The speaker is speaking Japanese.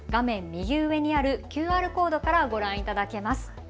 右上にあるＱＲコードからご覧いただけます。